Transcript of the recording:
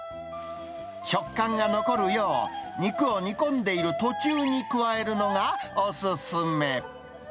食感が残るよう、肉を煮込んでいる途中に加えるのがお勧め。